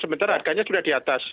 sementara harganya sudah di atas